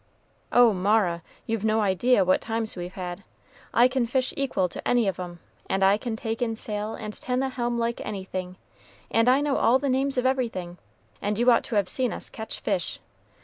"Oh, Mara! you've no idea what times we've had! I can fish equal to any of 'em, and I can take in sail and tend the helm like anything, and I know all the names of everything; and you ought to have seen us catch fish!